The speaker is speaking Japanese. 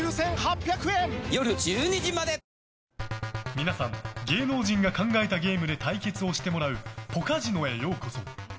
皆さん、芸能人が考えたゲームで対決をしてもらうポカジノへようこそ。